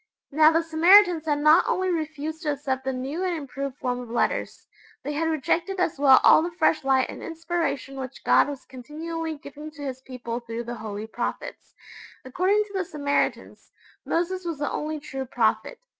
Now the Samaritans had not only refused to accept the new and improved form of letters they had rejected as well all the fresh light and inspiration which God was continually giving to His people through the Holy prophets. According to the Samaritans, Moses was the only true prophet.